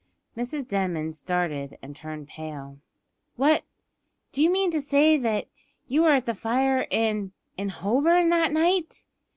Mrs Denman started and turned pale. "What! d'you mean to say that you were at the fire in in Holborn that night?"